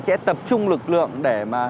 sẽ tập trung lực lượng để